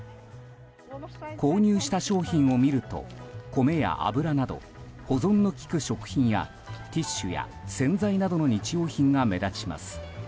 購入した商品を見ると米や油など保存のきく食品やティッシュや洗剤などの日用品が目立ちます。